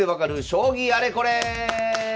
将棋あれこれ」！